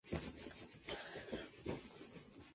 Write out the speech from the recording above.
Su hábitat natural son los bosques de montaña.